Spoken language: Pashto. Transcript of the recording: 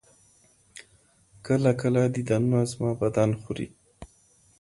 كله ،كله ديدنونه زما بــدن خــوري